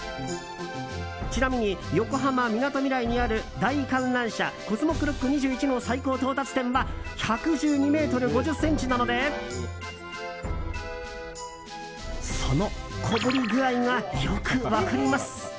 ちなみに横浜・みなとみらいにある大観覧車コスモクロック２１の最高到達点は１１２ｍ５０ｃｍなのでその小ぶり具合がよく分かります。